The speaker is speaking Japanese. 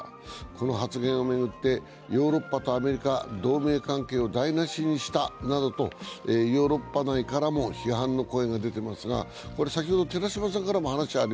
この発言を巡ってヨーロッパとアメリカ、同盟関係を台なしにしたなどとヨーロッパ内からも批判の声が出てます。